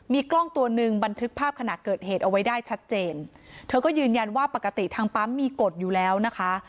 มีกล้องตัวหนึ่งบันทึกภาพขณะเกิดเหตุเอาไว้ได้ชัดเจนเธอก็ยืนยันว่าปกติทางปั๊มมีกฎอยู่แล้วนะคะ